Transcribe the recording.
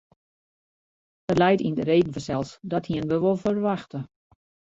Dat leit yn de reden fansels, dat hienen we wol ferwachte.